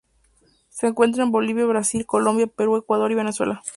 Se encuentra en Bolivia, Brasil, Colombia, Perú, Ecuador y Venezuela.